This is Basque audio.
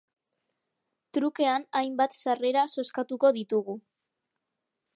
Trukean hainbat sarrera zozkatuko ditugu.